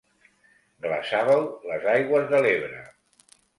Glaçàveu les aigües de l'Ebre.